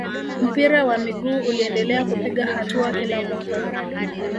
mpira wa miguu uliendelea kupiga hatua kila mwaka